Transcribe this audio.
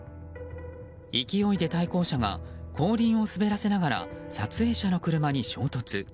勢いで対向車が後輪を滑らせながら撮影者の車に衝突。